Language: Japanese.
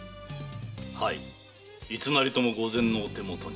はいいつなりとも御前のお手元に。